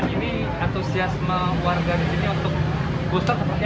ini antusiasme warga di sini untuk booster seperti apa